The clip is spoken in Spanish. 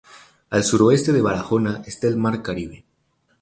Al sudoeste de Barahona está el Mar Caribe.